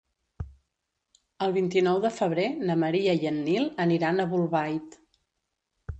El vint-i-nou de febrer na Maria i en Nil aniran a Bolbait.